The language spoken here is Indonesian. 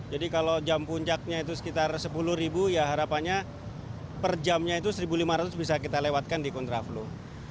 jadi kalau jam puncaknya itu sekitar sepuluh ribu ya harapannya per jamnya itu seribu lima ratus bisa kita lewatkan di kontraflow